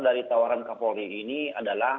dari tawaran kapolri ini adalah